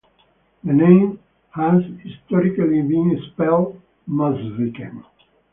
The name has historically been spelled "Mosviken".